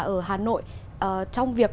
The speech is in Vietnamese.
ở hà nội trong việc